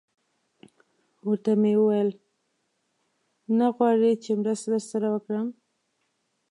ورته ومې ویل: نه غواړئ چې مرسته در سره وکړم؟